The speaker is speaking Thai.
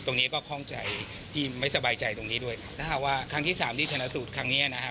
ตรงนี้ก็คล่องใจที่ไม่สบายใจตรงนี้ด้วยครับถ้าหากว่าครั้งที่สามที่ชนะสูตรครั้งเนี้ยนะฮะ